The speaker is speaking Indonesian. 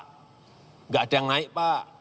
tidak ada yang naik pak